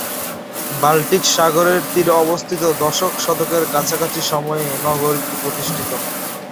Baltic সাগরের তীরে অবস্থিত দশম শতকের কাছাকাছি সময়ে নগরটি প্রতিষ্ঠিত।